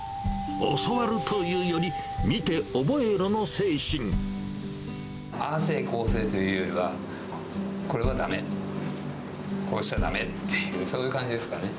教わるというより、ああせい、こうせいというよりは、これはだめ、こうしちゃだめっていう、そういう感じですかね。